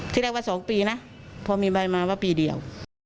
ที่แรกว่า๒ปีนะพอมีใบมาว่าปีเดียว